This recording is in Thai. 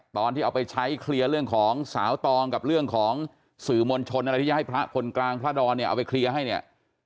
ตอนที่เอาไปใช้เคลียร์เรื่องของสาวตองกับเรื่องของสื่อมวลชนอะไรที่จะให้พระคนกลางพระดอนเนี่ยเอาไปเคลียร์ให้เนี่ย